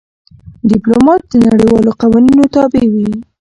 ډيپلومات د نړیوالو قوانینو تابع وي.